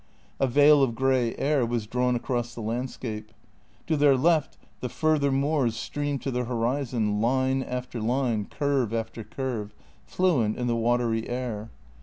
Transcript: A veil of grey air was drawn across the landscape. To their left the further moors streamed to the horizon, line after line, curve after curve, fluent in the watery air.